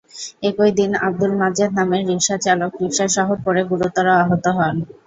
একই দিন আবদুল মাজেদ নামের রিকশাচালক রিকশাসহ পড়ে গুরুতর আহত হন।